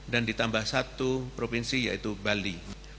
dan ditambah satu provinsi yaitu bali